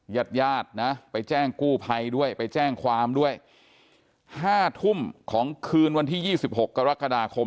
ญาติญาตินะไปแจ้งกู้ภัยด้วยไปแจ้งความด้วย๕ทุ่มของคืนวันที่๒๖กรกฎาคม